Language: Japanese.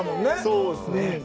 そうですね。